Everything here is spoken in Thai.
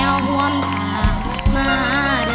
เด้อหวมสามาร์เด้อ